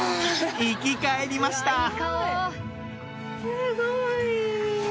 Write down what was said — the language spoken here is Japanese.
生き返りましたすごい！